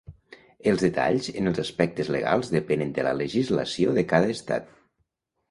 Els detalls en els aspectes legals depenen de la legislació de cada Estat.